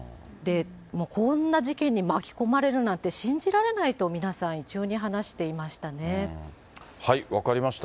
こんな事件に巻き込まれるなんて信じられないと皆さん一様に話し分かりました。